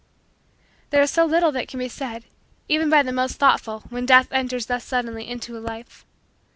There is so little that can be said, even by the most thoughtful, when Death enters thus suddenly into a life.